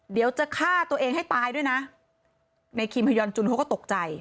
เดี๋ยวจะฆ่าตัวเองให้ตายด้วยนะในคิมฮยอนจุนเขาก็ตกใจ